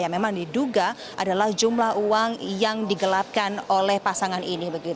yang memang diduga adalah jumlah uang yang digelapkan oleh pasangan ini